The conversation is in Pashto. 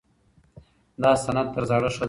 دا سند تر زاړه ښه دی.